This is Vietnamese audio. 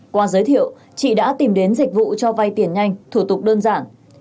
qua giới thiệu chị đã tìm đến dịch vụ cho vay tiền nhanh thủ tục đơn giản